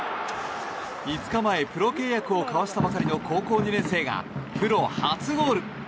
５日前、プロ契約を交わしたばかりの高校２年生がプロ初ゴール。